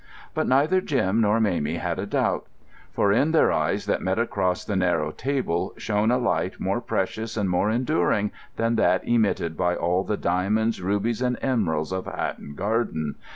But neither Jim nor Mamie had a doubt; for in their eyes that met across the narrow table shone a light more precious and more enduring than that emitted by all the diamonds, rubies, and emeralds of Hatton Garden....